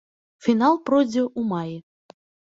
Фінал пройдзе ў маі.